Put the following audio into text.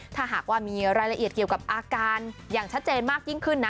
ถ้าหากว่ามีรายละเอียดเกี่ยวกับอาการอย่างชัดเจนมากยิ่งขึ้นนะ